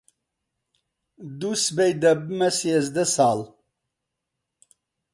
دووسبەی دەبمە سێزدە ساڵ.